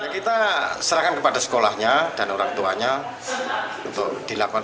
kita serahkan kepada sekolahnya dan orang tuanya untuk dilakukan